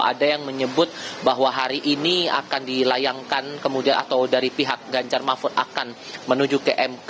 ada yang menyebut bahwa hari ini akan dilayangkan kemudian atau dari pihak ganjar mahfud akan menuju ke mk